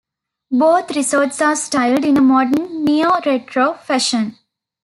Both resorts are styled in a modern, neo-retro fashion.